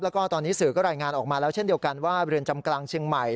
แล้วก็ตอนนี้สื่อก็รายงานออกมาแล้วเช่นเดียวกันว่าเรือนจำกลางเชียงใหม่